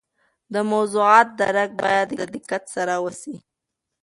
د موضوعات درک باید د دقت سره وسي.